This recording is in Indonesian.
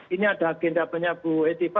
ini ada agenda punya bu etipa